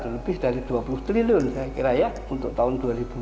lebih dari dua puluh triliun saya kira ya untuk tahun dua ribu dua puluh